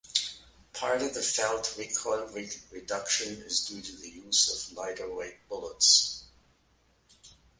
Part of the felt recoil reduction is due to the use of lighter-weight bullets.